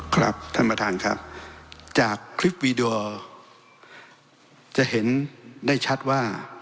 ครับท่านประธานครับจากคลิปวีดีโอจะเห็นได้ชัดว่า